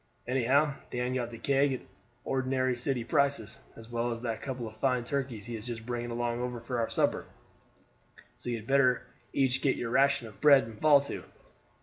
Anyhow, Dan got the keg at ordinary city prices, as well as that couple of fine turkeys he is just bringing along for our supper. So you had better each get your ration of bread and fall to."